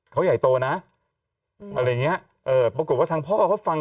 เขาใหญ่โตนะอะไรอย่างเนี้ยโบกดุว่าทางพ่อเขาฟัง